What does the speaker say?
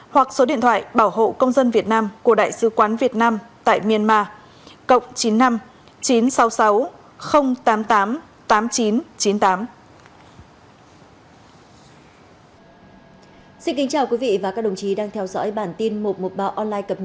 hoặc số điện thoại bảo hộ công dân việt nam của đại sứ quán việt nam